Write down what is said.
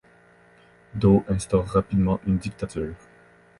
Doe instaure rapidement une dictature.